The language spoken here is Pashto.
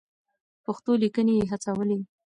پښتو ليکنې يې هڅولې.